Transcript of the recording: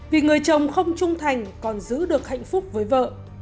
vì người chồng không trung thành còn giữ được hạnh phúc với vợ